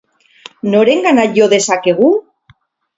Norengana jo dezakegu?